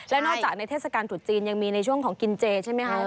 และนอกจากในเทศกาลตรุษจีนยังมีในช่วงของกินเจใช่ไหมคะ